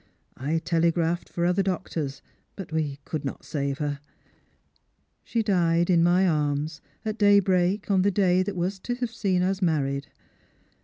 I telegraphed for other doctors. But we tould not save her. She died in my arms at daybreak on the day that was to have seen us married.